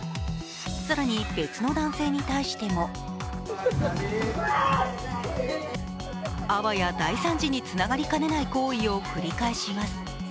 更に、別の男性に対してもあわや大惨事につながりかねない行為を繰り返します。